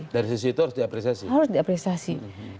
dari sisi itu harus diapresiasi